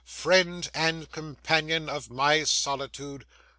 Friend and companion of my solitude!